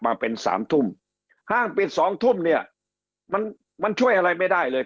มาเป็นสามทุ่มห้างปิดสองทุ่มเนี่ยมันมันช่วยอะไรไม่ได้เลย